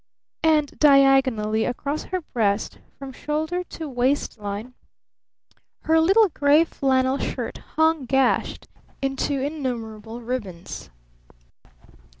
And diagonally across her breast from shoulder to waistline her little gray flannel shirt hung gashed into innumerable ribbons.